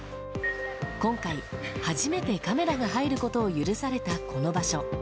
今回初めてカメラが入ることを許されたこの場所。